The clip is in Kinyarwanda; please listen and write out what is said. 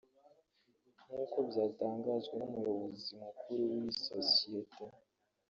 nk’uko uko byatangajwe n’umuyobozi mukuru w’iyi sosiyete